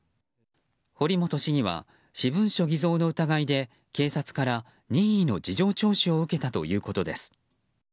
堀本市議は私文書偽造の疑いで警察から任意の事情聴取を受けたということです。